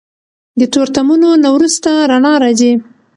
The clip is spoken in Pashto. د تورتمونو نه وروسته رڼا راځي.